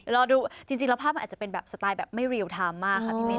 รอดูจริงแล้วภาพมันอาจจะเป็นแบบสไตล์แบบไม่เรียลไทม์มากค่ะพี่มิ้น